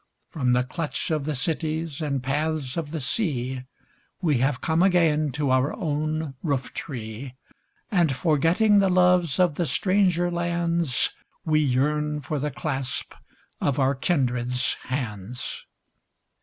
From the clutch of the cities and paths of the sea We have come again to our own roof tree. And forgetting the loves of the stranger lands We yearn for the clasp of our kindred's hands.